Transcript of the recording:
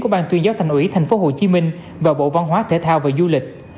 của ban tuyên giáo thành ủy tp hcm và bộ văn hóa thể thao và du lịch